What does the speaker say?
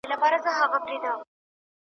له ژوندونه ورک حساب وي بې پروا یو له زمانه .